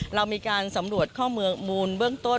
เรามีการสำรวจข้อมูลมูลเบื้องต้น